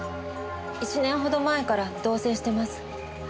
１年ほど前から同棲してます。